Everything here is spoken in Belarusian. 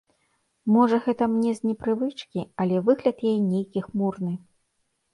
Можа гэта мне з непрывычкі, але выгляд яе нейкі хмурны.